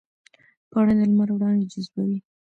پاڼې د لمر وړانګې جذبوي